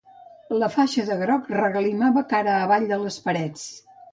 La faixa de groc, regalimava cara avall de les parets